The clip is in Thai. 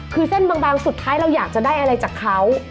คือเส้นบางสุดท้ายเราอยากจะได้อะไรจากเขา